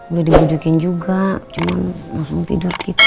udah diberi ugin juga cuman langsung tidur gitu